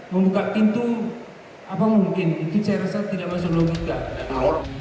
membuka pintu apa mungkin itu saya rasa tidak masuk logika dan awal